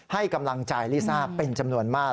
ให้กำลังใจลิซ่าเป็นจำนวนมาก